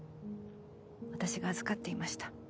私が預かっていました。